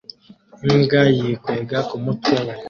imbwa yikwega kumutwe we